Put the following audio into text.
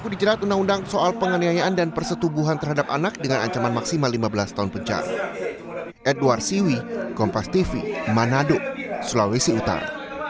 dijerat undang undang soal penganiayaan dan persetubuhan terhadap anak dengan ancaman maksimal lima belas tahun penjara